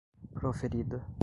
proferida